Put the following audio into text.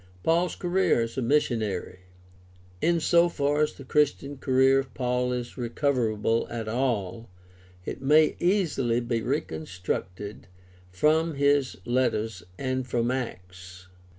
Paul's career as a missionary. — In so far as the Christian career of Paul is recoverable at all, it may easily be recon structed from his letters and from Acts.